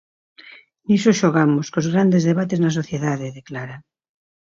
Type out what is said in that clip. Niso xogamos, cos grandes debates na sociedade, declara.